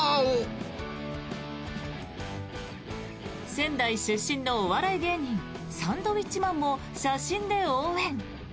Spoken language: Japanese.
仙台出身のお笑い芸人サンドウィッチマンも写真で応援。